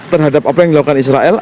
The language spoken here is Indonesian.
terhadap apa yang dilakukan israel